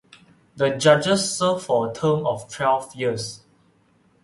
The judges serve for a term of twelve years.